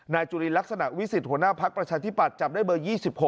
จุลินลักษณะวิสิทธิหัวหน้าภักดิ์ประชาธิบัตย์จับได้เบอร์๒๖